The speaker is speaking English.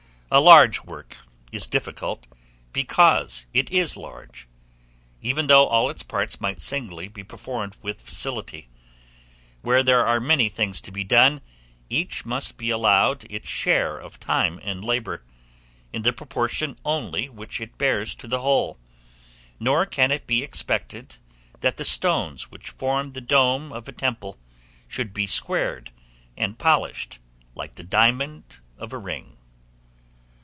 A large work is difficult because it is large, even though all its parts might singly be performed with facility; where there are many things to be done, each must be allowed its share of time and labor, in the proportion only which it bears to the whole; nor can it be expected, that the stones which form the dome of a temple, should be squared and polished like the diamond of a ring.